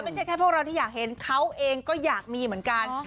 ไม่ใช่แค่พวกเราที่อยากเห็นเขาเองก็อยากมีเหมือนกัน